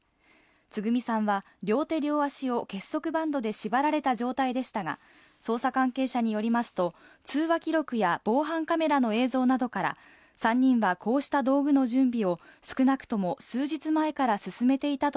つぐみさんは両手両足を結束バンドで縛られた状態でしたが、捜査関係者によりますと、通話記録や防犯カメラの映像などから、３人はこうした道具の準備